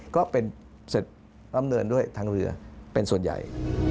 ก็เป็นเสร็จดำเนินด้วยทางเรือเป็นส่วนใหญ่